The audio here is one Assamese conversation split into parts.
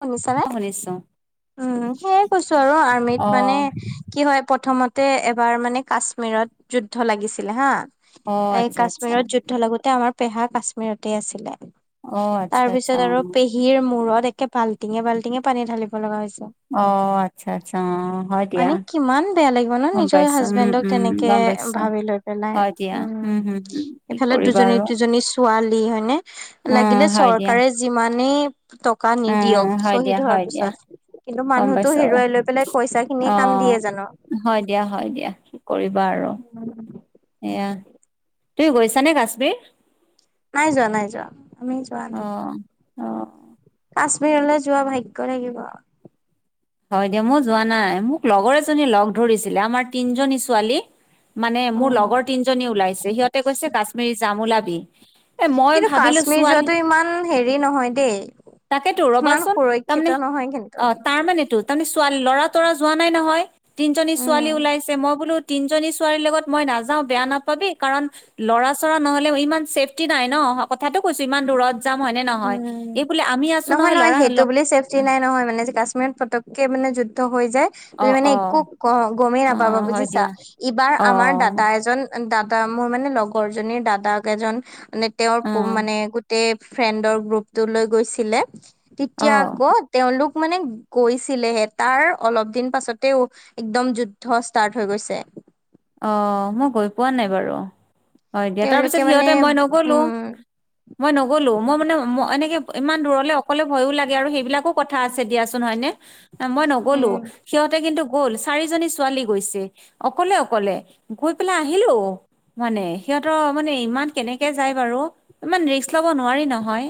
শুনিছানে? অ নিশ্চয় উম সেইয়াই কৈছো আৰু অ আৰ্মিত মানে কি হয় প্ৰথমতে তে এবাৰ মানে কাশ্মীৰত যুদ্ধ লাগিছিলে হা অ এই আচ্ছা আচ্ছা কাশ্মীৰত যুদ্ধৰ লগতে আমাৰ পেহা কাশ্মিৰতে আছিলে অ আচ্ছা তাৰ আচ্ছা পিছত অ আৰু পেহীৰ মূৰত একে বাল্টিঙে বাল্টিঙে পানী ঢালিব লগা হৈ হৈছে অ আচ্ছা আচ্ছা অ হয় দিয়া মানে কিমান বেয়া লাগিব ন গম নিজৰ পাইছো উম হাজবেডক উম তেনেকে গম পাইছো ভাবি লৈ পেলাই হয় দিয়া উম হম হম কি এইফালে কৰিবা দুজনী আৰু দুজনী ছোৱালী হয়নে উম লাগিলে হয় দিয়া চৰকাৰে যিমানেই টকা টকা উম নিদিয়ক হয় দিয়া চ্বহীদ হোৱাৰ হয় দিয়া পিছত কিন্তু গম মানুহটো পাইছো হেৰুৱাই লৈ পেলাই পইচা খিনিয়ে অ কাম দিয়ে জানো হয় দিয়া হয় দিয়া কি কৰিবা এয়া তুমি গৈছানে কাশ্মীৰত নাই যোৱা নাই যোৱা আমি যোৱা অ নাই অ কাশ্মীৰলৈ যোৱা ভাগ্য লাগিব হয় দিয়া মই যোৱা নাই মোক লগৰ এজনী লগ ধৰিছিলে আমাৰ তিনিজনী ছোৱালী মানে মোৰ উম লগৰ তিনজনী ওলাইছে সিহঁতে কৈছে কাশ্মিৰী জাম ওলাবি এ মই কিন্তু ভাবিলো কাশ্মীৰ ছোৱালী যোৱাটো ইমান হেৰি নহয় দেই তাকেতো সিমান ৰবাচোন সুৰক্ষিত তাৰমানে নহয় কিন্তু অ তাৰ মান টো তাৰমানে ছোৱালী লৰা তৰা যোৱা নাই নহয় তিনিজনী উম ছোৱালী ওলাইছে মই বোলো তিনজনী ছোৱালীৰ লগত মই নাযাওঁ বেয়া নাপাবি কাৰণ লৰা চৰা নহলে ইমান চেফটি নাই ন অ কথাটো কৈছো ইমান দূৰত যাম হয় নে নহয় উম এই বোলে আমি আছো নহয় নহয় ল'ৰা সেইটো বুলি চেফটি নাই নহয় মানে ক কাশ্মীৰত পতককে মানে যুদ্ধ হৈ যে অ তুমি মানে অ একো গমেই অ নাপাবা হয় বুজিছা দিয়া এইবাৰ অ আমাৰ দাদা এজন দাদা মোৰ মানে লগৰ জনীৰ দাদাক এজন মে তেওঁৰ উম মানে গোটেই ফ্ৰেডৰ গ্ৰপটো লৈ গৈছিলে অ', মানে গৈছিলেহে তাৰ অলপ দিন পাছতে একদম যুদ্ধ ষ্টাৰ্ট হৈ গৈছে অ মই গৈ পোৱা নাই বাৰু হয় দিয়া তাৰ তেওঁলোকে পিছত মানে সিহঁতে মই নগলো উম মই নগলো মই মানে ম এনেকে ইমান দূৰলে অকলে ভয়ো লাগে, আৰু সেইবিলাকো কথা আছে দিয়াচোন, হয়নে? মই উম নগলোঁ, সিহঁতে কিন্তু গ'ল চাৰিজনী ছোৱালী গৈছে, অকলে অক অকলে গৈ পেলাই আহিল ও মানে সিহঁতৰ মানে ইমান কেনেকে যায় বাৰু ইমান ৰিস্ক লব নোৱাৰি নহয়।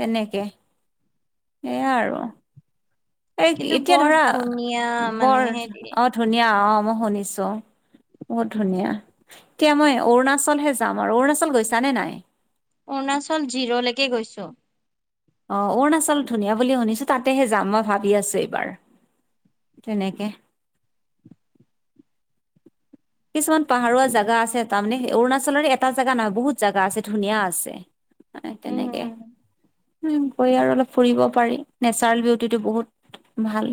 তেনেকে, সেয়াই আৰু। এ কিন্তু এতিয়া বৰ ধৰা ধুনীয়া মানে বৰ, হেৰি অ', ধুনীয়া অ মই শুনিছোঁ। বহুত ধুনীয়া, এতিয়া মই অৰুণাচলহে যাম আৰু অৰুণাচল গৈছা নে নাই? অৰুণাচল জিৰ'লৈকে গৈছো। অ, অৰুণাচল ধুনীয়া বুলি শুনিছো তাতেহে যাম মই ভাবি আছো এইবাৰ। তেনেকে কিছুমান পাহাৰুৱা জাগা আছে তাৰমানে অৰুণাচলৰে এটা জাগা নহয় বহুত জাগা আছে ধুনীয়া আছে। মানে উম তেনেকে উম। গৈ আৰু অলপ ফুৰিব পাৰি নেচাৰেল বিউটিটো বহুত ভাল।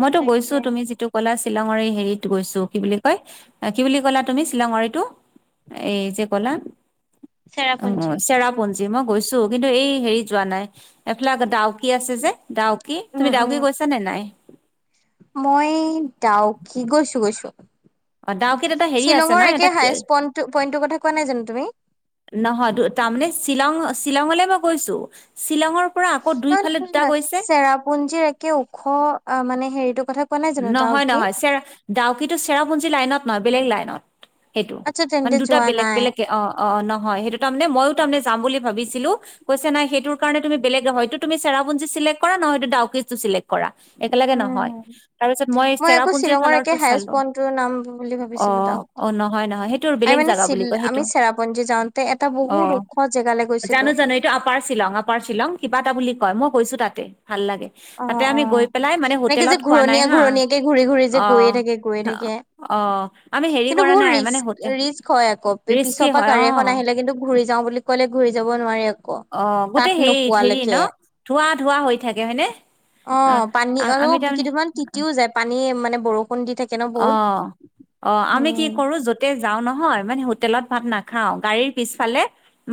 মইতো গৈছো তাকে তুমি যিটো কলা শিলংৰ হেৰিত গৈছো। কি বুলি কয় কি বুলি ক'লা তুমি শিলংৰ‌ইটো এই যে ক'লা অ, চেৰাপুঞ্জী। চেৰাপঞ্জীমক। গৈছো কিন্তু এই হেৰি যোৱা নাই এইফালে দাও কি আছে যে। ডাউকি উম তুমি উম ডাউকি গৈছা নে নাই। মই ডাওকি গৈছো - গৈছো। অ ডাউকিত এটা হেৰি আছে ন শ্বিলঙৰ এটা একে হায়ষ্ট পইন্টৰ কথা কোৱা নাই জানো তুমি নহয় তাৰমানে শ্বিলং শ্বিলঙলৈ মই গৈছো শ্বিলঙৰ পৰা আকৌ নহয়- দুইফালে নহয়- দুটা নহয় গৈছে চেৰাপুঞ্জিৰ একে ওখ অ, মানে হেৰি নহয় - নহয় চেৰা ডাউকিতো চেৰাপুঞ্জী লাইনত নহয় বেলেগ লাইনত। সেইটো আচ্ছা মানে তেন্তে দুটা যোৱা বেলেগ নাই বেলেগ অ- অ নহয় সেইটো তাৰে মানে ময়ো তাৰে মানে যাম বুলি ভাবছিলো কৈছে নাই সেইটো কাৰে তুমি বেলেগ হয়তটো তুমি চেৰাপুঞ্জ চিলেক কৰা নহয়টো ডাউকিতো চিলেক্ট কৰা একেলগে উম নহয় তাৰপিছত মই আকৌ চেৰাপুঞ্জিৰ শ্বিলঙৰ একে খালৰো হায়েষ্ট চালো পইণ্টটোৰ নাম বুলি অ ভাবিছিলো - ডাউকি। অ নহয় নহয় সেইটোৰ বেলেগ। আমি বেলেগ মানে জাগা চিল বুলি কয় আমি সেইটো চেৰাপুঞ্জী যাওঁতে এটা অ, বহুত ওখ জেগালৈ গৈছিলো। জানো - জানো এইটো আপাৰ শ্বিলং আপাৰ শ্বিলং কিবা এটা বুলি কয় মই গৈছো তাতে ভাল লাগে অ তাতে অ। আমি গৈ পেলাই মানে এনেকে যে হোটেলত খোৱা নাই ঘূৰণীয়া - হা ঘূৰণীয়াকে ঘূৰি- ঘূ ৰি অ যে গৈয়ে থাকে গৈয়ে থাকে অ আমি হেৰি কিন্তু কৰা বহুত নাই ৰিস মানে হোটেল ৰিস্ক হয় আকৌ ৰিস্কি পিছৰ পৰা হয় অ গাড়ী এখন আহিলে কিন্তু ঘূৰি যাও বুলি কলে ঘূৰি যাব নোৱাৰি আকৌ অ, তাত গোটেই হেই হেৰি ন নোপোৱালৈকে ধোৱা ধোৱা হৈ থাকে হয়নে। অ, পানী আ- আৰু আমি কিদুমান তাৰমানে তিতিও যায় পানী মানে বৰষুণ দি থাকে ন অ বহুত - অ আমি কি কৰো উম যতে যাও নহয়। মানে হোটেলত ভাত নাখাও গাড়ীৰ পিছফালে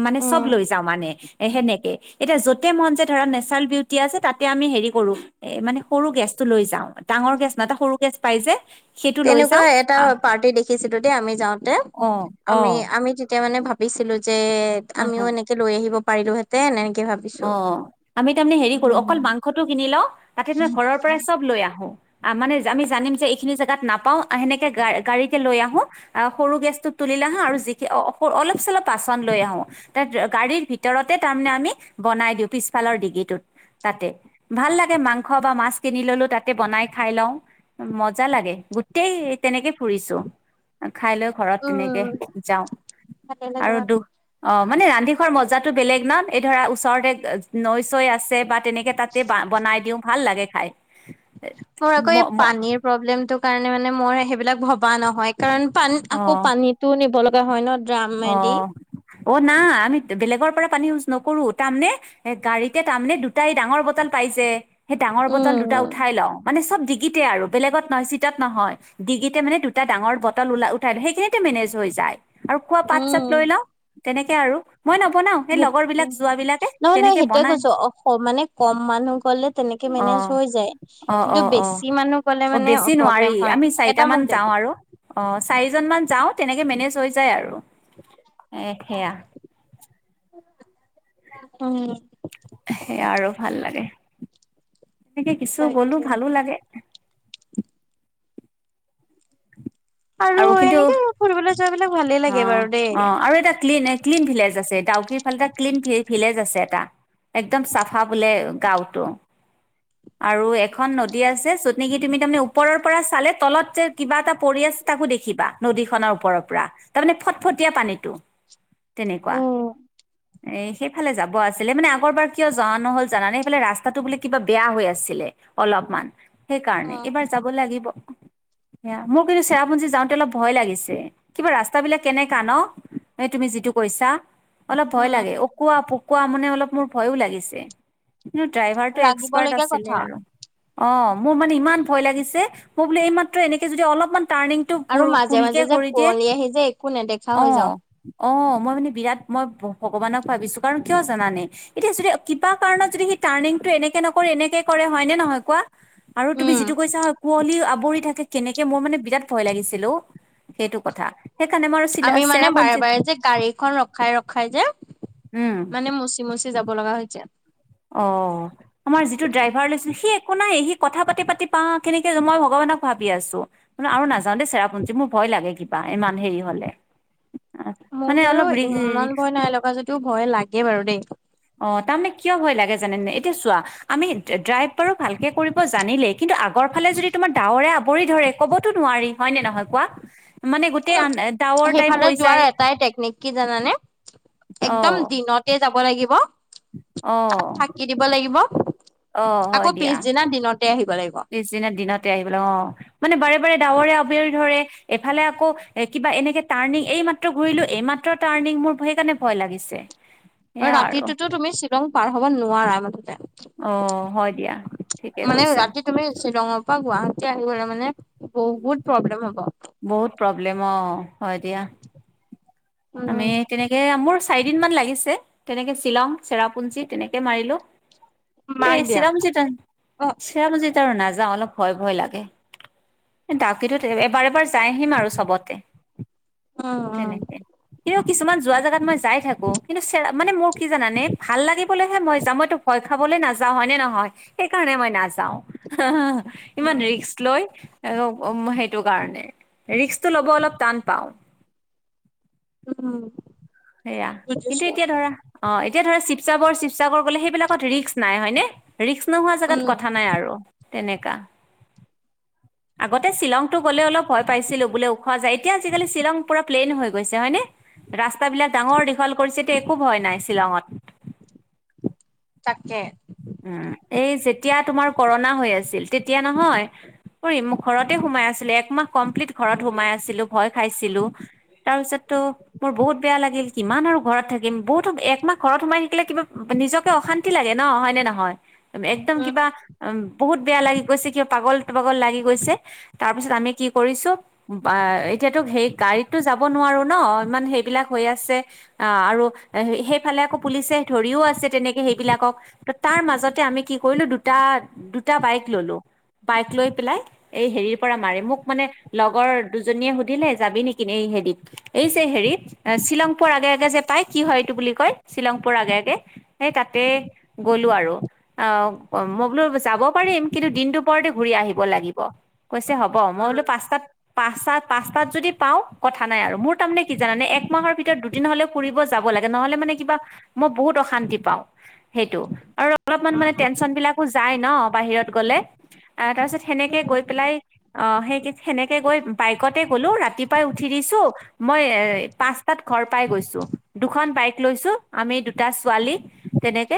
মানে চব লৈ যাও মানে এ সেনেকে এতিয়া য'তে মন যে ধৰা নেচাৰেল বিউটি আছে তাতে আমি হেৰি কৰো এ মানে সৰু গেছ। লৈ যাও ডাঙৰ গেছ নহয় এটা সৰু গেছ পাই যে। সেইটো লৈ তেনেকুৱা যাওঁ এটা আহ পাৰ্টি দেখিছিলো দেই আমি যাওতে আমি অ', আমি তেতিয়া মানে ভাব ভাবিছিলো যে অ', আমিও এনেকে লৈ আহিব পাৰিলোহেতেন এনে অ, আমি তাৰমানে হেৰি কৰো অকল উম মাংসটো কিনি লও তাতে মই ঘৰৰ পৰাই চব লৈ আহো। মানে আমি জানম যে এইখিনি জোগাত নাপাও সেনেকে গাড়ীতে লৈ আহো আ সৰু গেছটোত তুলি। আহিলে‌ হা আৰু যি অ, অলপ চলপ বাচন লৈ আহো তাত গাড়ীৰ ভিতৰতে তাৰমানে আমি বনাই দিও পিছফালৰ ডিগিটোত তাতে ভাল লাগে মাংস বা মাছ কিনি ললো তাতে বনাই খা খাই লও মজা লাগে গোটেই তেনেকে ফুৰিছো খাই লৈ ঘৰত তেনেকে উম যাও ভালে লাগে আৰু বা দু অ, মানে ৰান্ধি খোৱাৰ মজাতো বেলেগ ন এই ধৰা ওচৰতে নৈ চৈ আছে বা তেনেকে তাতে বনাই দিও ভাল লাগে খাই। মোৰ ম আকৌ এই ম পানীৰ প্ৰব্লেমটো কাৰণে মানে মোৰ সেইবিলাক ভবা নহয়। কাৰণ পানী আকৌ অ' পানীতটো নিব লগা হয় ন ড্ৰামেদি ড্ৰামৰ পৰা পানী ইউজ নকৰো তাৰমানে এ গাড়ীতে তাৰানে দুটা এই ডাঙৰ বটল পাই যে সেই ডাঙৰ বটল দুটা উম উঠাই লও মানে চব ডিগিতে আৰু বেলেগত নহয় চিতত নহয় ডিগিতে মানে দুটা ডাঙৰ বত ওলাই উঠাই সেইখিনিতে মেনেজ হৈ যায় আৰু খোৱা পাত চাত লৈ উম লও তেনেকে আৰু। মই নবনাও সেই লগৰ বিলাক যোৱাবলাকে নহয় নহয় তেনেকে সেইটোয়ে বনাই। কৈছো অ মানে কম মানুহ গলে তেনেকে অ মেনেজ হৈ যায়। - অ - কিন্তু অ - অ বেছি মানুহ গলে -অ মানে বেছি প্ৰব্লেম নোৱাৰি হয় আমি এটা চাৰিটামান মোক দে যাও আৰু। অ, চাৰিজন মান যাও তেনেকে মেনেজ হৈ যায় আৰু। এ সেয়া উম সেয়া আৰু ভাল লাগে। এনেকে কিছু গ'লো তাকে ভালো লাগে। আৰু কিন্তু অ-অ এনেকে ফুৰিবলৈ যোৱাবিলাক ভালেই লাগে বাৰু দেই। আৰু এটা ক্লিন ক্লিন ভিলেজ আছে ডাউকিৰ ফালে এটা ক্লিন ভিলেজ আছে এটা এক্দম চাফা বোলে। গাওঁতো আৰু এখন নদী আছে যত নেকি তুমি তাৰমানে ওপৰৰ পৰা চালে তলত যে কিবা এটা পৰি আছে। তাকো দেখিবা নদীখনৰ ওপৰৰ পৰা তাৰ মানে ফটফটীয়া পানীটো তেনেকুৱা উম এই সেইফালে যাব আছিলে মানে, আগৰবাৰ কিয় যোৱা নহ'ল জানানে? সেইফালে ৰাস্তাটো বোলে কিবা বেয়া হৈ আছে। আছিলে অলপমান সেইকাৰণে, উম এইবাৰ যাব লাগিব। য়া মোৰ কিন্তু চেৰাপুঞ্জী যাওঁতে অলপ ভয় লাগিছে। কিবা ৰাস্তাবিলাক কেনেকা ন? হে তুমি যিটো কৈছা। অলপ ভয় লাগে উম। অকোৱা-পকোৱা মানে অলপ মোৰ ভয়ো লাগিছে। কিন্তু ড্ৰাইভাৰ টো এক্সপাৰ্ট লাগিবলগীয়া আছিলে কথা আৰু। অ, মোৰ মানে ইমান ভয় লাগিছে, মই বোলো এইমাত্ৰ এনেকে যদি অলপমান টাৰ্ণিং টো আৰু ভুল মাজে কুৰি যে মাজে কৰি দিয়ে, কুঁৱলী আহি যে একো নেদেখা হৈ যাওঁ। অ'। অ' মই মানে বিৰাট মই ভ ভগৱানক ভাবিছোঁ কাৰণ কিয় জানানে? এতিয়া যদি কিবা কাৰণত যদি সি টাৰ্ণিং টো এনেকে নকৰি এনেকে কৰে হয় নে নহয় কোৱা? আৰু তুমি উম, যিটো কৈছা হয়, কুঁৱলী আৱৰি থাকে কেনেকে মোই মানে বিৰাট ভয় লাগিছিল ঔ সেইটো কথা। সেইকাৰণে মই আৰু চিলা আমি মানে বাৰে, চেৰাপুঞ্জীত বাৰে যে গাড়ীখন ৰখাই, ৰখাই যে উম, মানে মচি, মচি যাব লগা হৈছে। অ'আমাৰ যিটো ড্ৰাইভাৰ লৈছিলো সি এ একো নাই সি কথা পাতি, পাতি পা কেনেকে, মই ভগৱানক ভাবি আছোঁ। ন আৰু নাযাও দে চেৰাপু্জী মোৰ ভ ভয় লাগে কিবা এমান হেৰি হ'লে। অ, মোৰ মানে বাৰু অলপ ৰি ইমান ভয় নাই লগা যদিও, ভয় লাগে বাৰু দেই। অ, তাৰমানে কিয় ভয় লাগে জানানে? এতিয়া চোৱা আমি ড ড্ৰাইভ বাৰু ভালকে কৰিব জানিলেই, কিন্তু আ আগৰ ফালে যদি তোমাৰ ডাৱৰে আৱৰি ধৰে, কবতো নোৱাৰি হয় নে নহয় কোৱা? মানে গোটেই উ, আন- ডাৱৰ টাইপ সেইফালে হৈ যোৱাৰ যায় এটাই টেকনিক কি জানানে? অ একদম দিনতে যাব লাগিব। অ তাত থাকি দিব লাগিব। অ, আকৌ হয় দিয়া। পিছদিনা দিনতে আহিব লাগিব। পিছদিনা দিনতে আহিব লাগিব অ। মানে বাৰে বাৰে ডাৱৰে আবিৰ ধৰে। এফালে আকৌ এ কিবা এনেকে টাৰ্ণিং এই মাত্ৰ ঘূৰিলো, এই মাত্ৰ টাৰ্ণিং মোৰ সেই কাৰণে ভয় লাগিছে। আৰু ৰাতিটোতো তুমি শ্বিলং পাৰ হ'ব নোৱাৰা মুঠতে। অ হয় দিয়া ঠিকে মানে কৈছা ৰাতি তুমি শ্বিলংৰ পা গুৱাহাটী আহিবলে মানে, বহুত প্ৰব্লেম হ'ব। বহুত প্ৰব্লেম অ'হয় দিয়া। আমি উম, কেনেকে এয়া মোৰছ চাৰিদিন মান লাগিছে তেনেকে শ্বিলং, চেৰাপুঞ্জী তেনেকে মাৰিলো। মাক এই দিয়া চিৰামজিতান অ', চেৰাপুঞ্জীত আৰু নাযাওঁ। অলপ ভয় ভয় লাগে। ডাউকিটোত এ এবাৰ এবাৰ যাই আহিম আৰু চবতে। অ-অ। তেনেকে কিন্তু কিছুমান যোৱা জেগাত মই যাই থাকো। কিন্তু শ্বি চেৰা মানে মোৰ কি জানানে? ভাল লাগিবলৈহে মই যাওঁ মইটো ভয় খা খাবলৈ নাযাওঁ হয় নে নহয়? সেইকাৰণে মই নাযাওঁ। ইমান উম, ৰিস্ক লৈ আক' ঔম সেইটো কাৰণে, ৰিক্সটো ল'ব অলপ টান পাওঁ। উম। সেয়া কিন্তু বুজিছোঁ। এতিয়া ধৰা, অ, এ। এতিয়া ধৰা শিৱসাবৰ, শিৱসাগৰ গ'লে সেইবিলাকত ৰিক্স নাই হয়নে? ৰিক্স নোহোৱা জেগাত উম কথা নাই আৰু তেনেকা। আগতে শ্বিলংতো গ'লে অলপ ভয় পাইছিলো, বোলে উখোৱা যায় এতিয়া আজিকালি শ্বিলং পুৰা প্লেইন হৈ গৈছে, হয়নে? ৰা স্তাবিলাক ডাঙৰ দীঘল কৰিছে, এতিয়া একো ভয় নাই শ্বিলঙত। তাকে উম, এই যেতিয়া তোমাৰ কৰণা হৈ আছিল, তেতিয়া নহয় য়ই মোক ঘৰতে সোমাই আছিলো, একমাহ কমপ্লিট ঘৰত সোমাই আছিলোঁ, ভয় খাইছিলোঁ। তাৰপিছততো মোৰ বহুত বেয়া লাগিল কিমান আৰু ঘৰত থাকিম, বহুতো একমাহ ঘৰত সোমাই থাকিলে কিবা- নিজকে অশান্তি লাগে ন' হয়নে নহয়? একদম উম কিবা, উম বহুত বেয়া লাগি গৈছে, কিবা পাগল পাগল লাগি গৈছে। তাৰ পিছত আমি কি কৰিছোঁ বা এ এতিয়াতো হে গাড়ীতো যাব নোৱাৰোঁ ন' ইমান সেইবিলাক হৈ আছে অ' আৰু সেইফালে আকৌ পুলিচে ধৰিও আছে, তেনেকে সেইবিলাকক ত' তাৰ মাজতে আমি কি কৰিলো দুটা, দুটা বাইক ল'লো। বাইক লৈ পেলাই এই হেৰিৰ পৰা মাৰে, মোক মানে লগৰ দুজনীয়ে সুধিলে যাবি নেকি ন হেৰিত, এই যে হেৰিত শ্বিলং পুৰ আগে আগে যে পাই কি হয় এইটো বুলি কয় শ্বিলং পুৰ আগে আগে হেই তাতে গ'লো আৰু, অ', মই বোলো যাব পাৰিম, কিন্তু দিন দূপৰতে ঘূৰি আহিব লাগিব। কৈছে হ'ব, মই উম বোলো পাঁচটাত পাচাত, পাচঁটাত যদি পাও কথা নাই আৰু মোৰ তাৰে কি জানানে, একমাহৰ ভিতৰত দুদিন হলে ফুৰিব যা যাব লাগে, নহ'লে মানে কিবা মই বহুত অশান্তি পাওঁ। সেইটো, আৰু অলপমান মানে টেনচনবিলাকো যায় ন বাহিৰত গ'লে, তাৰপিছত সেনেকে গৈ পেলাই অ', সেই সেনেকে গৈ বাইকতে গ'লো ৰাতিপুৱাই উঠি দিছো মই এ পাঁচটাত ঘৰ পাই গৈছোঁ, দুখন বাইক লৈছো আমি দুটা ছোৱালী তেনেকে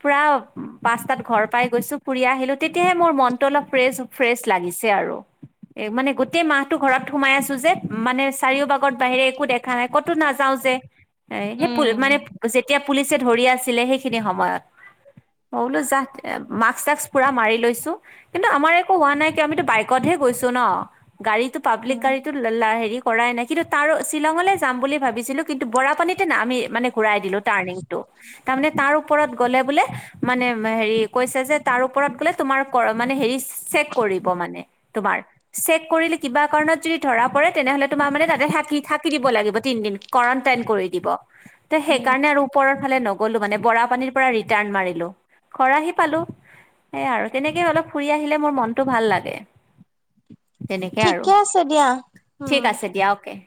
পুৰা পাঁচটাত ঘৰ পাই গৈছোঁ। ফুৰি আহিলো তেতিয়াহে মোৰ মনতটো অলপ ফ্ৰেছ ফ্ৰেছ লাগে। লাগিছে আৰু এ মানে গোটেই মাহটো ঘৰত সোমাই আছোঁ যে, মানে চাৰিওবাগত বাহিৰে একো দেখা নাই ক'তো নাযাও যে, এ সেই মানে উম যেতিয়া পুলিচে ধৰি আছিলে সেইখিনি সময়ত। [inaudible] মই বোলো যাহ্, মাক্ক চাক্স পুৰা মাৰি লৈছোঁ, কিন্তু আমাৰ একো হোৱা নাই কিয়, আমিতো বাইকত হে গৈছোঁ। ছো ন', গাড়ীটো পাব্লিক উম গাড়ীটো হেৰি কৰা নাই কিন্তু তাৰো শ্বিলঙলৈ যাম বুলি ভাবিছিলোঁ, কিন্তু বৰাপানীতে না আমি মানে ঘূৰাই দিলোঁ টাৰ্ণিংটো। তাৰমানে তাৰ ওপৰত গ'লে বোলে, মানে হেৰি কৈছে যে তাৰ ওপৰত গলে কৰ মানে তোমাৰ হেৰি চেক কৰিব। মানে, তোমাৰ, চেক কৰিলে কিবা কাৰণত যদি ধৰা পৰে তেনেহ'লে তোমাৰ মানে তাতে থাকি থাকি দিব লাগিব, তিনদিন কাৰেণ্টাইন কৰি দিব। ত' সেই উম কাৰণে আৰু ওপৰৰ ফালে নগ'লো মানে, বৰা পানীৰ ৰিটাৰণ মাৰিলোঁ, ঘৰ আহি পালোঁ। সেইয়াই আৰু, তেনেকে অলপ ফুৰি আহিলে মোৰ মনটো ভাল লাগে। তেনেকে আৰু, ঠিকে আছে দিয়া উম ঠিক আছে দিয়া অ'কে।